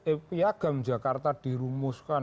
efiagam jakarta dirumuskan